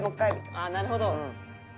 ああなるほど。